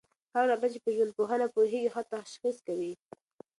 هغه ډاکټر چي په ژوندپوهنه پوهېږي، ښه تشخیص کوي.